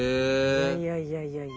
いやいやいやいやいや。